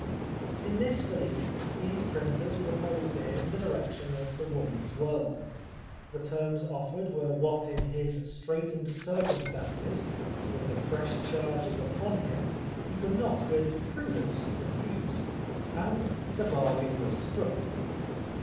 In this belief these printers proposed to him the direction of The Woman's World : the terms offered were what in his straitened circumstances, with the fresh charges upon him, he could not with prudence refuse, and the bargain was struck.